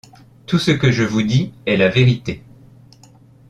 Tout ce que je vous dis est la vérité.